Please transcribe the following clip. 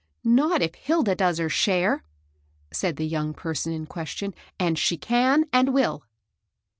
" Not if Hilda does her share," said the young person in question ;" and she can and will."